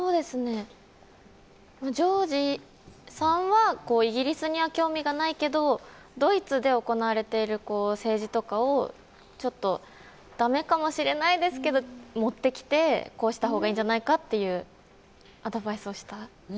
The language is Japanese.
ジョージさんはイギリスには興味がないけどドイツで行われている政治とかをだめかもしれないですけど持ってきてこうしたほうがいいんじゃないかっていうアドバイスをした？